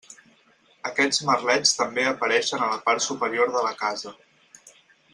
Aquests merlets també apareixen a la part superior de la casa.